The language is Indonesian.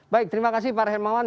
baik terima kasih pak hermawan